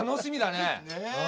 ねえ！